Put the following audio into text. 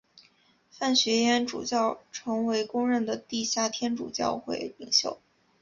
范学淹主教成为公认的地下天主教会领袖。